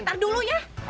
ntar dulu ya